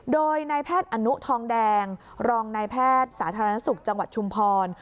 โดยนายแพทย์อนุทองแดงรองนายแพทย์สาธารณสุขจังหวัดชุมพร